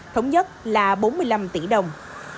tức là bốn mươi năm tỷ đồng